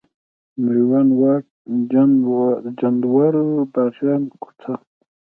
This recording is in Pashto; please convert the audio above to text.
میوند واټ، چنداول، باغبان کوچه،